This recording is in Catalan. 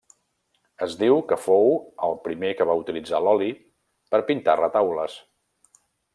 Es diu que fou el primer que va utilitzar l'oli per pintar retaules.